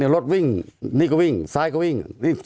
รถวิ่งนี่ก็วิ่งซ้ายก็วิ่ง